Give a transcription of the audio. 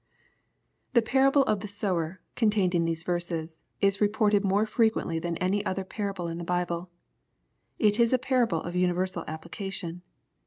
The parable of the sower, contained in these verses, is reported more frequently than any parable in the Bible. It is a parable of universal application.